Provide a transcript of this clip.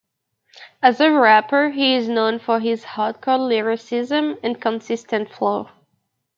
As a rapper, he is known for his hardcore lyricism and consistent flow.